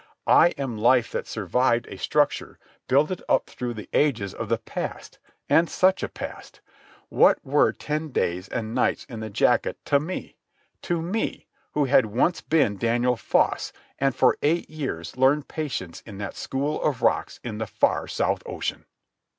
I am life that survived, a structure builded up through the ages of the past—and such a past! What were ten days and nights in the jacket to me?—to me, who had once been Daniel Foss, and for eight years learned patience in that school of rocks in the far South Ocean?